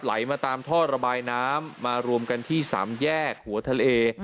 ไหลมาตามท่อระบายน้ำมารวมกันที่สามแยกหัวทะเล